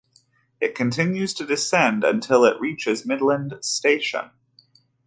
It continues to descend until it reaches Midland station.